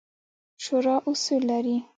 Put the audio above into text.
شورا اصول لري